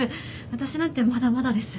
私なんてまだまだです。